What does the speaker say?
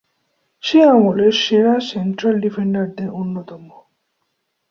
সে আমলের সেরা সেন্ট্রাল ডিফেন্ডার-দের অন্যতম।